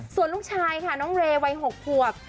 ส่วนลูกชายค่ะน้องเรย์วัย๖ขวบ